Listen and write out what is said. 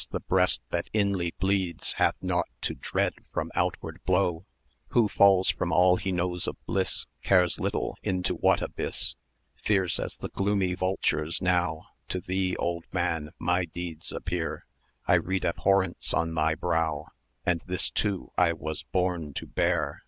the breast that inly bleeds Hath nought to dread from outward blow: Who falls from all he knows of bliss, Cares little into what abyss.[ej] Fierce as the gloomy vulture's now To thee, old man, my deeds appear: 1160 I read abhorrence on thy brow, And this too was I born to bear!